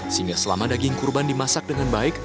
sehingga selama daging kurban dimasak dengan baik